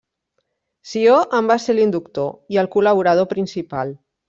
Sió en va ser l'inductor i el col·laborador principal.